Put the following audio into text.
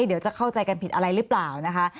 เดี๋ยวจะเข้าใจกันผิดอะไรหรือเปล่านะคะ